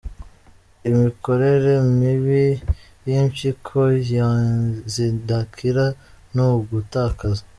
Imikorere mibi y’impyiko zidakira ni ugutakaza